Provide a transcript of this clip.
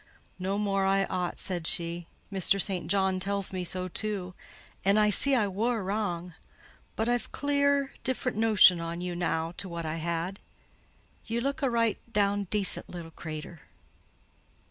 "No more I ought," said she: "Mr. St. John tells me so too; and I see I wor wrang—but I've clear a different notion on you now to what I had. You look a raight down dacent little crater."